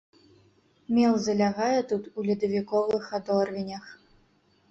Мел залягае тут у ледавіковых адорвенях.